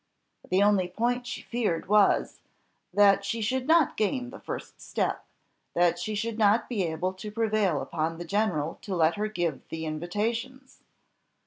The only point she feared was, that she should not gain the first step, that she should not be able to prevail upon the general to let her give the invitations.